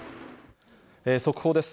速報です。